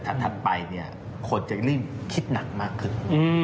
ถัดไปเนี่ยคนจะยิ่งคิดหนักมากขึ้น